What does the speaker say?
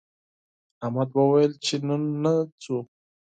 احمد ویل چې نن نه ځو